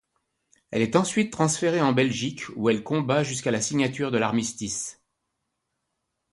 Elle est ensuite transférée en Belgique où elle combat jusqu'à la signature de l'armistice.